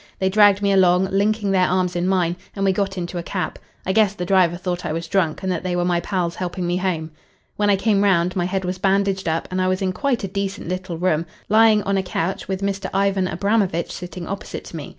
They dragged me along, linking their arms in mine, and we got into a cab. I guess the driver thought I was drunk, and that they were my pals helping me home. "When I came round my head was bandaged up, and I was in quite a decent little room, lying on a couch, with Mr. Ivan Abramovitch sitting opposite to me.